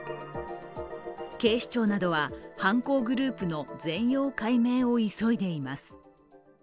警視庁などは、犯行グループの全容解明を急いでいます。